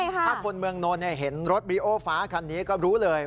ถ้าคนเมืองนนท์เห็นรถบริโอฟ้าคันนี้ก็รู้เลย